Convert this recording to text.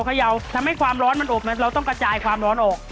เขย่าทำให้ความร้อนมันอบเราต้องกระจายความร้อนออก